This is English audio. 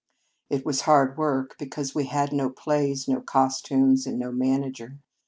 It was hard work, because we had no plays, no costumes, and no manager.